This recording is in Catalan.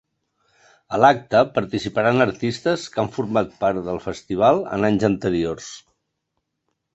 A l’acte participaran artistes que han format part del festival en anys anteriors.